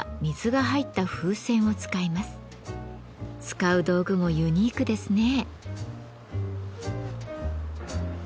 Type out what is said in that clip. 使う道具もユニークですね。